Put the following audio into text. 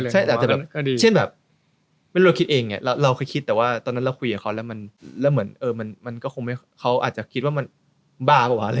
ใช่แต่อาจจะแบบไม่รู้ว่าคิดเองเราคิดแต่ว่าตอนนั้นเราคุยกับเขาแล้วมันก็คงไม่เขาอาจจะคิดว่ามันบ้าปะวะ